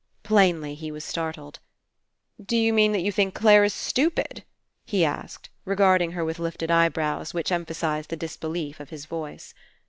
Plainly he was startled. "D'you mean that you think Clare is stupid?" he asked, re garding her with lifted eyebrows, which em phasized the disbelief of his voice.